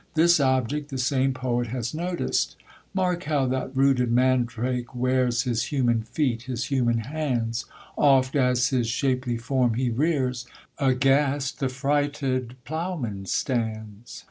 This object the same poet has noticed: Mark how that rooted mandrake wears His human feet, his human hands; Oft, as his shapely form he rears, Aghast the frighted ploughman stands.